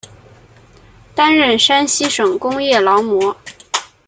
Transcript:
担任山西省工业劳模。